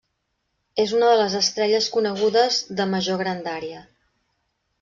És una de les estrelles conegudes de major grandària.